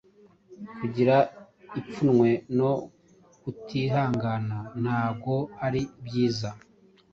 kugira ipfunwe, no kutihangana ntago ari byiza